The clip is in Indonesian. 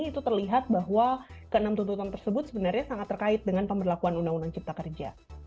itu terlihat bahwa ke enam tuntutan tersebut sebenarnya sangat terkait dengan pemberlakuan undang undang cipta kerja